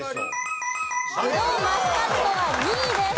ブドウマスカットは２位です。